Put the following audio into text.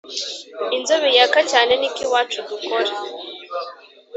Inzobe yaka cyane niko iwacu dukora